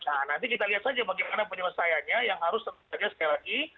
nah nanti kita lihat saja bagaimana penyelesaiannya yang harus tentu saja sekali lagi